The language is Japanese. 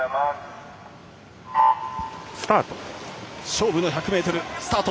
勝負の１００ｍ、スタート。